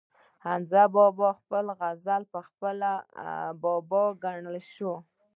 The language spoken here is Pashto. حمزه بابا پخپله د غزل بابا ګڼلی شو